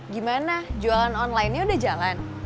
gimana jualan online nya udah jalan